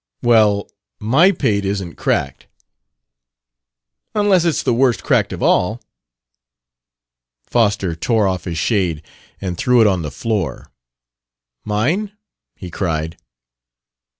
"Well, my pate isn't cracked." "Unless it's the worst cracked of all." Foster tore off his shade and threw it on the floor. "Mine?" he cried.